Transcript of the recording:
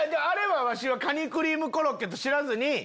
あれはカニクリームコロッケと知らずに。